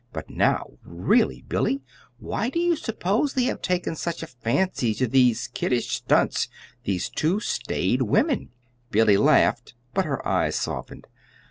But now really, Billy, why do you suppose they have taken such a fancy to these kiddish stunts those two staid women?" Billy laughed, but her eyes softened.